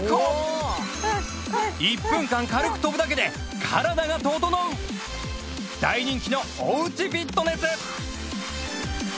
１分間軽く跳ぶだけで体が整う大人気のお家フィットネス